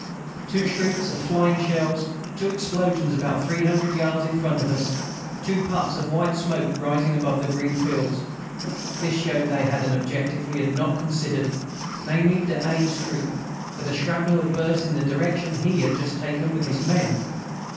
Two shrieks of flying shells! Two explosions about 300 yards in front of us! Two puffs of white smoke rising above the green fields! This showed they had an objective we had not considered, namely, d'A.'s troop, for the shrapnel had burst in the direction he had just taken with his men.